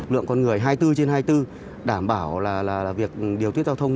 lượng con người hai mươi bốn trên hai mươi bốn đảm bảo việc điều tuyết giao thông